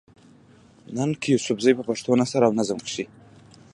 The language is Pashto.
ننګ يوسفزۍ په پښتو نثر او نظم کښې